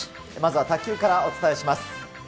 まずは卓球からお伝えします。